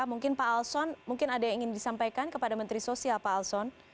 mungkin pak alson mungkin ada yang ingin disampaikan kepada menteri sosial pak alson